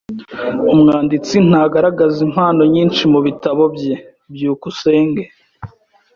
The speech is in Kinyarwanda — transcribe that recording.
Umwanditsi ntagaragaza impano nyinshi mubitabo bye. byukusenge